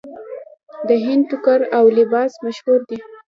د هند ټوکر او لباس مشهور دی.